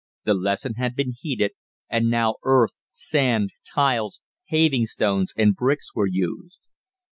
The lesson had been heeded, and now earth, sand, tiles, paving stones, and bricks were used.